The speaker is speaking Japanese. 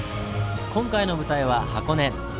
今回の舞台は箱根。